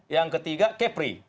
yang ketiga kepri